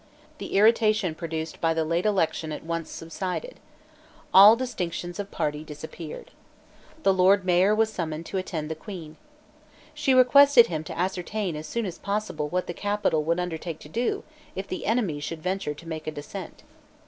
The irritation produced by the late election at once subsided. All distinctions of party disappeared. The Lord Mayor was summoned to attend the Queen. She requested him to ascertain as soon as possible what the capital would undertake to do if the enemy should venture to make a descent.